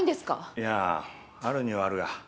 いやああるにはあるが。